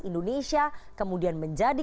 indonesia kemudian menjadi